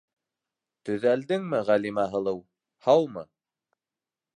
Төҙәлдеңме, Ғәлимә һылыу? һаумы?